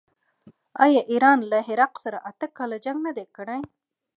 آیا ایران له عراق سره اته کاله جنګ نه دی کړی؟